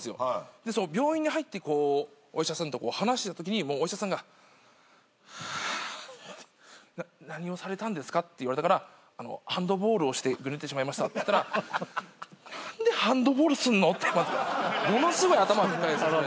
その病院に入ってお医者さんと話してたときにもうお医者さんが「ハァ何をされたんですか？」って言われたからハンドボールをしてぐねってしまいましたって言ったら「何でハンドボールすんの？」ってまずものすごい頭抱えられて。